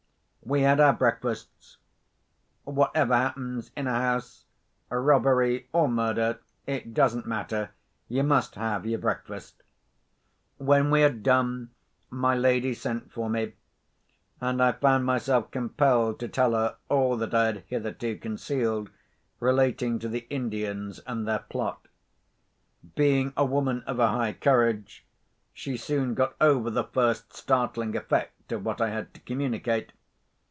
We had our breakfasts—whatever happens in a house, robbery or murder, it doesn't matter, you must have your breakfast. When we had done, my lady sent for me; and I found myself compelled to tell her all that I had hitherto concealed, relating to the Indians and their plot. Being a woman of a high courage, she soon got over the first startling effect of what I had to communicate.